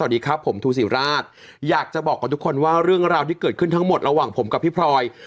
สวัสดีครับผมทูศิราชอยากจะบอกกับทุกคนว่าเรื่องราวที่เกิดขึ้นทั้งหมดระหว่างผมกับพี่พลอย